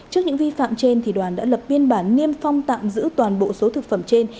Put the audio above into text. trước những vi phạm trên đoàn đã lập biên bản niêm phong tạm giữ toàn bộ số thực phẩm trên